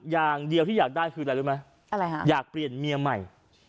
อย่างเดียวที่อยากได้คืออะไรรู้ไหมอะไรฮะอยากเปลี่ยนเมียใหม่